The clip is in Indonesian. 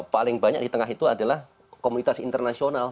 paling banyak di tengah itu adalah komunitas internasional